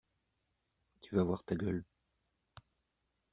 Tu vas voir ta gueule.